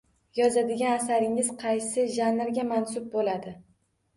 Yozadigan asaringiz qaysi janrga mansub bo’ladi